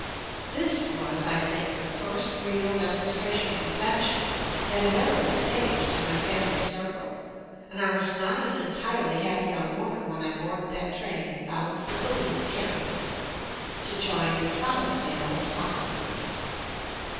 This was, I think, the first real demonstra tion of affection that had ever been staged in my family circle, and I was not an entirely happy young woman when I boarded thait train bound for Galena, Kansas, to join the "Trousdale Stock Company."